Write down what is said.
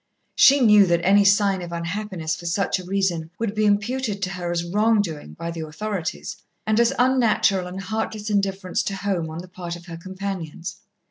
She knew that any sign of unhappiness for such a reason would be imputed to her as wrong doing by the authorities, and as unnatural and heartless indifference to home on the part of her companions.